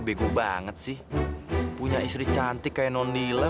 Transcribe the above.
kamu tunggu bales anaknya kesini deh